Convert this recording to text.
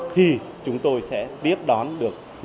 thì chúng tôi sẽ tiếp đón được người bệnh